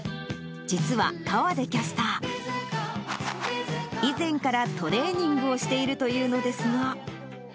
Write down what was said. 実は河出キャスター、以前からトレーニングをしているというのですが。